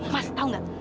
mas tau nggak